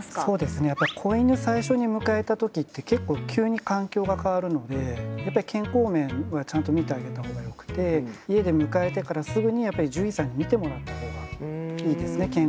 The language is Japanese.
そうですね子犬最初に迎えた時って結構急に環境が変わるのでやっぱり健康面はちゃんと見てあげた方がよくて家で迎えてからすぐに獣医さんに診てもらった方がいいですね。